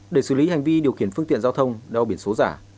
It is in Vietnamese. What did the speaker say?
để xử lý hành vi điều khiển phương tiện giao thông đeo biển số giả